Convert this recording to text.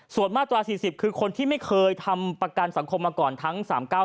ส่วนมาตรา๔๐คือคนที่ไม่เคยทำประกันสังคมมาก่อนทั้ง๓๙ปี